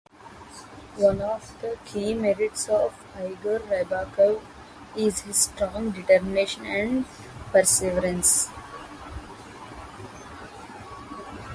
One of the key merits of Igor Rybakov is his strong determination and perseverance.